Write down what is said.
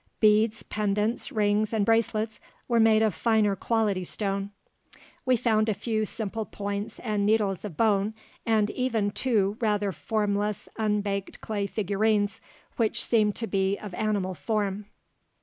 Beads, pendants, rings, and bracelets were made of finer quality stone. We found a few simple points and needles of bone, and even two rather formless unbaked clay figurines which seemed to be of animal form.